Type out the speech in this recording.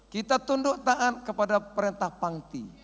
kita tunduk taat kepada perintah pangti